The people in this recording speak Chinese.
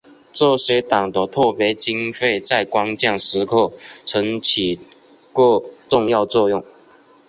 这些党的特别经费在关键时刻曾起过重要作用。